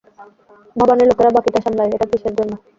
ভবানীর লোকেরা বাকিটা সামলায়, এটা কীসের জন্য?